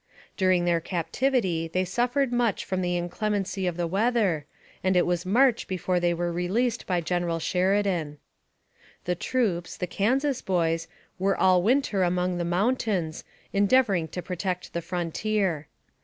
During their captivity they suffered much from the inclemency of the weather, and it was March before they were released by General Sheridan. The troops, the Kansas boys, were all winter among the mountains, endeavoring to protect the frontier.